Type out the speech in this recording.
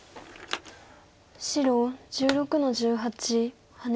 白１６の十八ハネ。